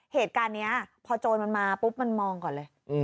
เหตุการณ์นี้พอโจรมันมาปุ๊บมันมองก่อนเลย